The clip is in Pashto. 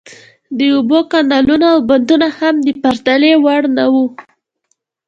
د اوبو کانالونه او بندونه هم د پرتلې وړ نه وو.